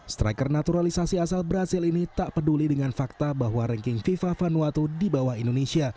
striker naturalisasi asal brazil ini tak peduli dengan fakta bahwa ranking fifa vanuatu di bawah indonesia